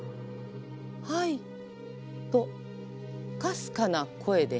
「はい」とかすかな声で返事が。